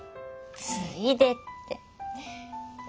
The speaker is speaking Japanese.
ついでって。